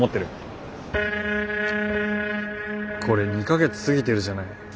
これ２か月過ぎてるじゃない。